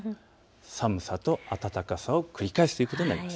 寒さと暖かさを繰り返すということになります。